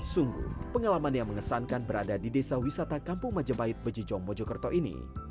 sungguh pengalaman yang mengesankan berada di desa wisata kampung majapahit bejijong mojokerto ini